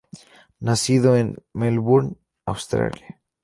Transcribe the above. Nacido en Melbourne, Australia.